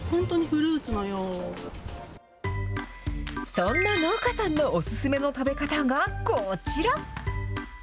そんな農家さんのお勧めの食べ方がこちら。